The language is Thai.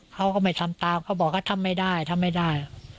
เขาก็ไม่ทำตามเขาบอกว่าทำไม่ได้ทำไม่ได้